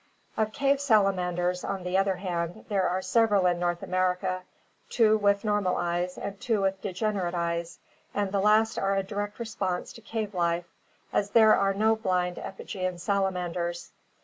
Of cave salamanders, on the other hand, there are several in North America, two with normal eyes and two with degenerate eyes, and the last are a direct response to cave life, as there are no blind epigean salamanders.